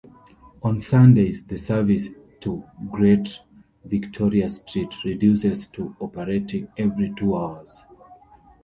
On Sundays the service to Great Victoria Street reduces to operating every two hours.